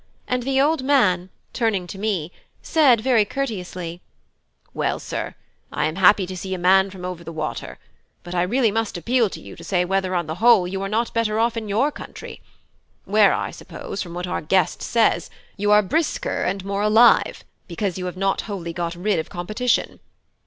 And the old man, turning to me, said very courteously: "Well, sir, I am happy to see a man from over the water; but I really must appeal to you to say whether on the whole you are not better off in your country; where I suppose, from what our guest says, you are brisker and more alive, because you have not wholly got rid of competition.